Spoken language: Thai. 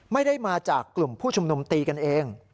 ไม่ได้มาจากกลุ่มผู้ชุมนุมตีกันเอง